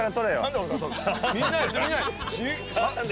みんなで。